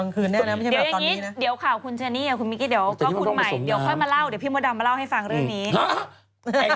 คุณมิกิเดี๋ยวก็คุณใหม่เดี๋ยวค่อยมาเล่าเดี๋ยวพี่มดกมาเล่าให้ฟังเรื่องนี้